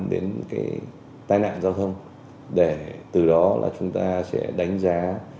liên quan đến cái tai nạn giao thông để từ đó là chúng ta sẽ đánh giá